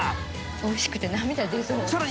おいしくて涙出そう。